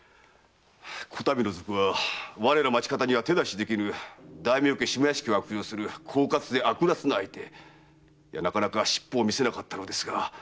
此度の賊は町方には手出しできぬ大名家下屋敷を悪用する狡猾で悪辣な相手なかなか尻尾を見せなかったのですが。